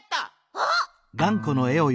あっ！